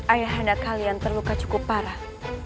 ayahanda kalian terluka cukup parah